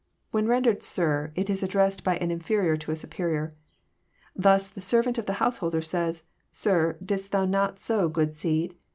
When rendered *' sir " it is addressed by an inferior to a superior. Thus the servant of the householder says, *' Sir, didst thou not sow good seed